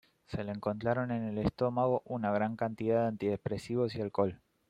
Se le encontraron en el estómago una gran cantidad de antidepresivos y alcohol.